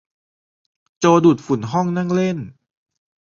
โจดูดฝุ่นห้องนั่งเล่น